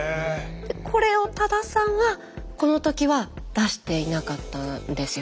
これを多田さんはこの時は出していなかったんですよね。